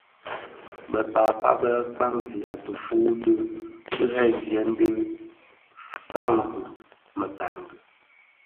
Bë pääpa bë kpaňzigha tifuu ti ghemzyèn dhi faňzi mekangi.